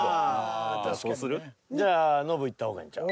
確かにね。じゃあノブいった方がいいんちゃう。